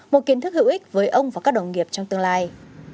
một kiến thức hữu ích với ông và các đồng nghiệp trong tương lai